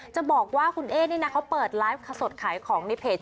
จะบอกว่าคุณเอ๊นี่นะเขาเปิดไลฟ์สดขายของในเพจ